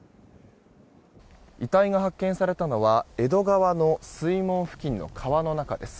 遺体が発見されたのは江戸川の水門付近の川の中です。